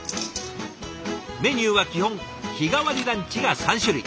メニューは基本日替わりランチが３種類。